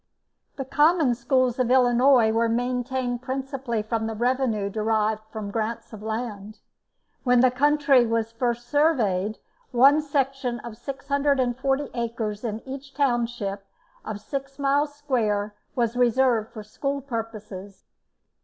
The Common Schools of Illinois were maintained principally from the revenue derived from grants of land. When the country was first surveyed, one section of 640 acres in each township of six miles square was reserved for school purposes.